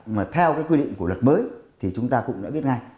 mà theo cái quy định của luật mới thì chúng ta cũng đã biết ngay